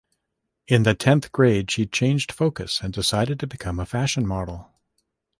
In the tenth grade, she changed focus and decided to become a fashion model.